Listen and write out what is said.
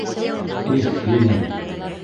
- Их, һин.